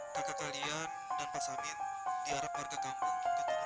kakak kalian dan kak samin diharapkan ke kampung kakak rahan